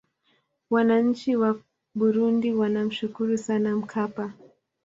wananchi wa burundi wanamshukuru sana mkapa